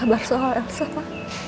barusan ada yang kasih tau